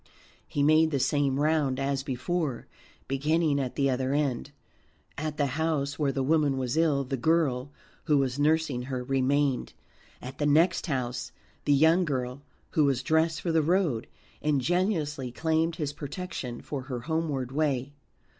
He made the same round as before, beginning at the other end. At the house where the woman was ill the girl who was nursing her remained. At the next house the young girl, who was dressed for the road, ingenuously claimed his protection for her homeward way.